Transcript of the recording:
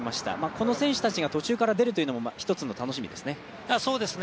この選手たちが途中から出るというのも一つの楽しみですね。